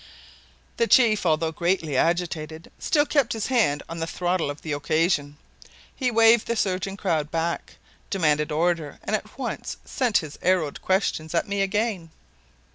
The chief, although greatly agitated, still kept his hand on the throttle of the occasion. He waved the surging crowd back, demanded order and at once sent his arrowed questions at me again.